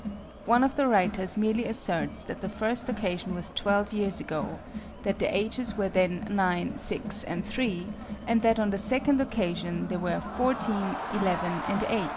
One of the writers merely asserts that the first occasion was 12 years ago, that the ages were then 9, 6, and 3; and that on the second occasion they were 14, 11, and 8!